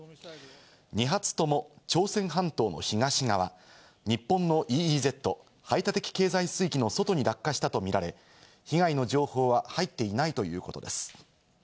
２発とも朝鮮半島の東側、日本のＥＥＺ＝排他的経済水域の外に落下したとみられ、被害の情報は入っていないということです。